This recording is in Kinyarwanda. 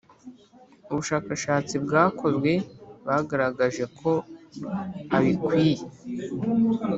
Ubushakashatsi bwakozwe bagaragaje ko abikwiye